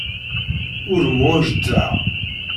Ur mɛujjteɣ.